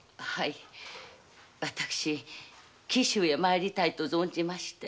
私紀州へ参りたいと存じまして。